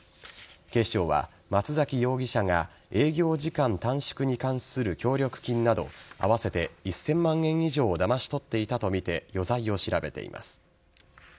警視庁は松崎容疑者が営業時間短縮に関する協力金など合わせて１０００万円以上をだまし取っていたとみて余罪を調べています。